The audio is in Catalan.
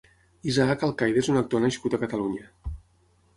Isaac Alcayde és un actor nascut a Catalunya.